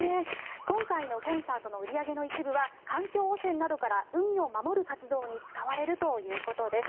今回のコンサートの売り上げの一部は環境汚染などから海を守る活動に使われるということです。